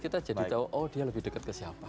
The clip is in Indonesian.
kita jadi tahu oh dia lebih dekat ke siapa